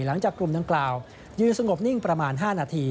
หลังจากกลุ่มดังกล่าวยืนสงบนิ่งประมาณ๕นาที